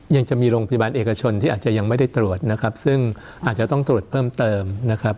ยังจะมีโรงพยาบาลเอกชนที่อาจจะยังไม่ได้ตรวจนะครับซึ่งอาจจะต้องตรวจเพิ่มเติมนะครับ